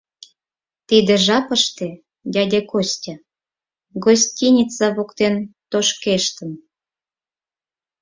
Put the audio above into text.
Тиде жапыште дядя Костя гостиница воктен тошкештын.